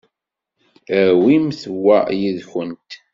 Awimt wa yid-went.